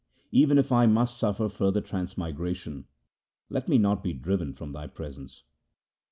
Even if I must suffer further transmigration, let me not be driven from thy presence.